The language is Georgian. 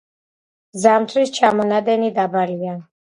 ზამთრის ჩამონადენი დაბალია.